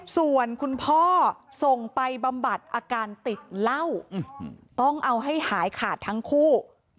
ส่วนคุณพ่อส่งไปบำบัดอาการติดเหล้าต้องเอาให้หายขาดทั้งคู่